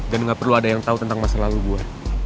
dan gak perlu ada yang tau tentang masa lalu gue